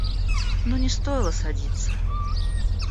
Но не стоило садиться.